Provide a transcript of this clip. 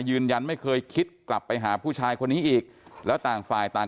ยืนยันไม่เคยคิดกลับไปหาผู้ชายคนนี้อีกแล้วต่างฝ่ายต่าง